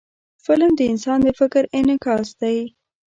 فلم د انسان د فکر انعکاس دی